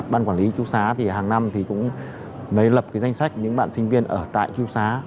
ban quản lý cứu xá thì hàng năm thì cũng mới lập cái danh sách những bạn sinh viên ở tại cứu xá